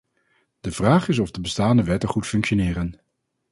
De vraag is of de bestaande wetten goed functioneren.